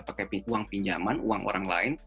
pakai uang pinjaman uang orang lain